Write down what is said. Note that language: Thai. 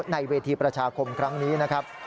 ในเวทีประชาคมครั้งนี้นะครับ